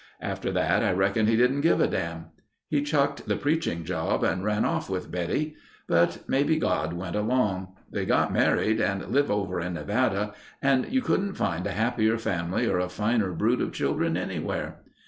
After that I reckon he didn't give a dam'. He chucked the preaching job and ran off with Betty. But maybe God went along. They got married and live over in Nevada and you couldn't find a happier family or a finer brood of children anywhere.